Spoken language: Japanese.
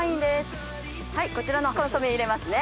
こちらのコンソメ入れますね。